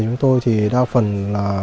chúng tôi thì đa phần là